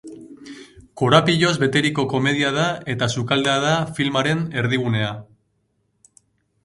Korapiloz beteriko komedia da eta sukaldea da filmaren erdigunea.